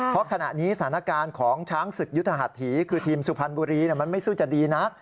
เพราะขณะนี้สถานการณ์ของช้างศึกยุทธหัสถีคือทีมสุพรรณบุรีมันไม่สู้จะดีนัก